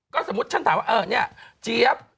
สมมุติฉันถามว่าเออเนี่ยเจี๊ยบ